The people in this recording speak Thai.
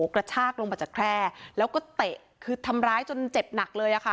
กระชากลงมาจากแคร่แล้วก็เตะคือทำร้ายจนเจ็บหนักเลยค่ะ